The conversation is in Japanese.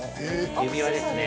◆指輪ですね。